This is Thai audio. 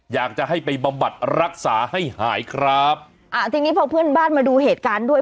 อยากจะให้ไปบำบัดรักษาให้หายครับอ่าทีนี้พอเพื่อนบ้านมาดูเหตุการณ์ด้วย